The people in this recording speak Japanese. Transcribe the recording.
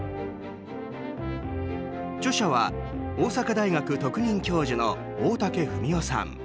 著者は、大阪大学特任教授の大竹文雄さん。